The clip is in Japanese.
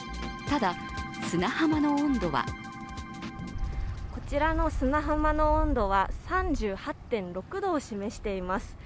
ただ、砂浜の温度はこちらの砂浜の温度は３８．６度を示しています。